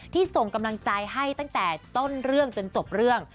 ส่งกำลังใจให้ตั้งแต่ต้นเรื่องจนจบเรื่อง